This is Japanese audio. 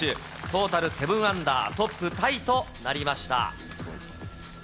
トータル７アンダー、トップタイとなりました。